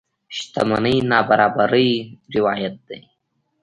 شتمنۍ نابرابرۍ روايت دي.